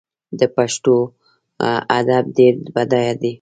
د پښتو ادب ډیر بډایه دی.